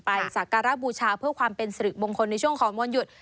สักการะบูชาเพื่อความเป็นสิริมงคลในช่วงขอมวลหยุด